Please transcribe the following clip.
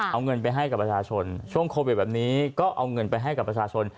เอาเงินไปให้กับประชาชนช่วงโควิดแบบนี้ก็เอาเงินไปให้กับประชาชน